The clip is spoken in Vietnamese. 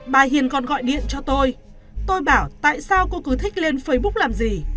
bà hiền còn gọi điện cho tôi tôi bảo tại sao cô cứ thích lên facebook làm gì